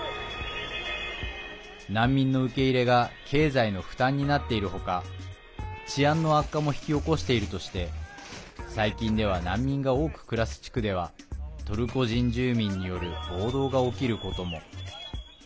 難民の受け入れが経済の負担になっている他治安の悪化も引き起こしているとして最近では難民が多く暮らす地区ではトルコ人住民による暴動が起きることも。